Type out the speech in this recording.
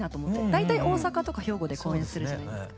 大体大阪とか兵庫で公演するじゃないですか。